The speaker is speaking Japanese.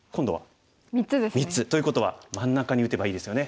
３つということは真ん中に打てばいいですよね。